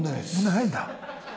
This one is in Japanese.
ないんだ。